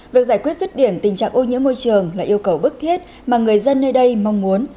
việc giải quyết rứt điểm tình trạng ô nhiễm môi trường là yêu cầu bức thiết mà người dân nơi đây mong muốn